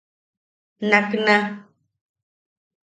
Nakna.